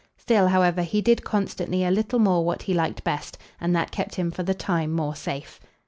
Still, however, he did constantly a little more what he liked best, and that kept him for the time more safe.